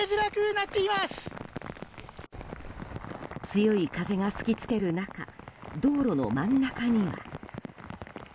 強い風が吹きつける中道路の真ん中には。